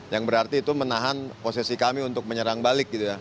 yang berarti itu menahan posisi kami untuk menyerang balik